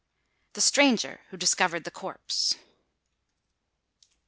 THE STRANGER WHO DISCOVERED THE CORPSE.